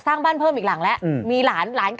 ถ้าเปิดให้